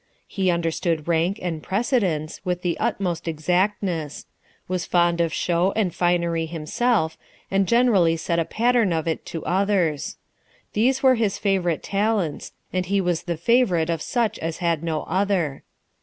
He under stood rank and precedence, with the utmost exactness ; was fond of show and finery himself, and generally set a pattern of it to others. These were his favourite talents, and he was the favourite of such as had no other.